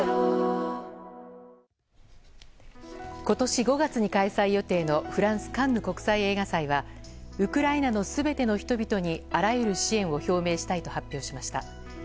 今年５月に開催予定のフランス・カンヌ国際映画祭はウクライナの全ての人々にあらゆる支援を表明したいと発表しました。